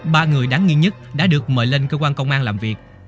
ba người đáng nghi nhất đã được mời lên cơ quan công an làm việc